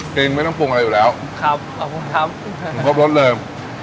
จริงไม่ต้องปรุงอะไรอยู่แล้วครับขอบคุณครับไม่พบรสเลย